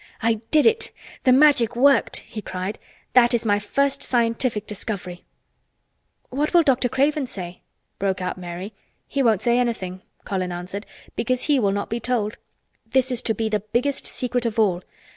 "I did it! The Magic worked!" he cried. "That is my first scientific discovery." "What will Dr. Craven say?" broke out Mary. "He won't say anything," Colin answered, "because he will not be told. This is to be the biggest secret of all.